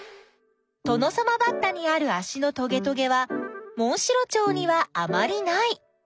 トノサマバッタにあるあしのトゲトゲはモンシロチョウにはあまりない。